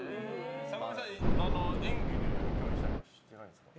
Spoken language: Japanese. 坂上さん、演技で共演したりしてないんですか？